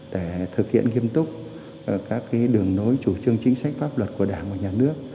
để thực hiện nghiêm túc các đường lối chủ trương chính sách pháp luật của đảng và nhà nước